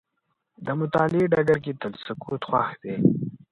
د مطالعې ډګر کې تل سکوت خوښ دی.